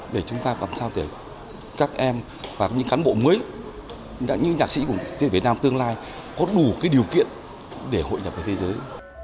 để chúng ta làm sao để các em và những cán bộ mới những nhạc sĩ của việt nam tương lai có đủ điều kiện để hội nhập với thế giới